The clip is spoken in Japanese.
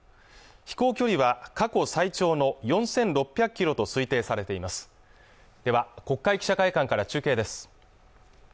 飛行距離は過去最長の４６００キロと推定されていますでは国会記者会館から中継です